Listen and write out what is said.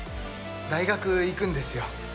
大学行くんですよ。